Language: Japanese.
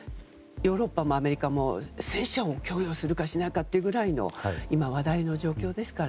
ヨーロッパもアメリカも戦車を供与するかしないかというぐらいの今、話題の状況ですから。